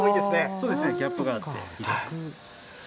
そうですね、ギャップがあって。